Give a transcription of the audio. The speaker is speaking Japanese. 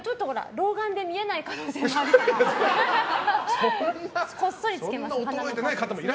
老眼で見えない可能性もあるから。